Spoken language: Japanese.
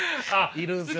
いるんすよね。